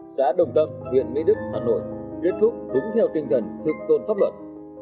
xã đồng tâm huyện mỹ đức hà nội kết thúc đúng theo tinh thần thượng tôn pháp luật